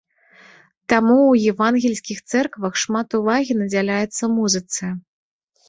Таму ў евангельскіх цэрквах шмат увагі надзяляецца музыцы.